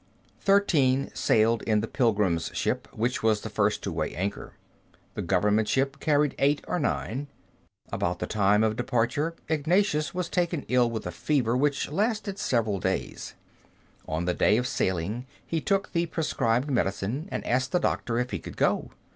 Thirteen sailed in the pilgrims' ship, which was the first to weigh anchor. The government ship carried eight or nine. About the time of departure Ignatius was taken ill with a fever, which lasted several days. On the day of sailing he took the prescribed medicine, and asked the doctor if he could go.